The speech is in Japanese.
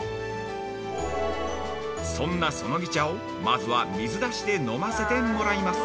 そんな「そのぎ茶」を、まずは水出しで飲ませてもらいます。